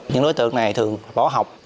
những đối tượng này thường bỏ học